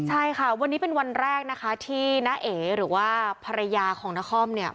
ใช่ค่ะวันนี้เป็นวันแรกนะคะที่น้าเอ๋หรือว่าภรรยาของนครเนี่ย